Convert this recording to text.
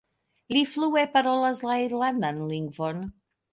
Li flue parolas la irlandan lingvon.